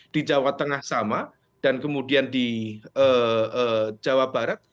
di jawa tengah sama dan kemudian di jawa barat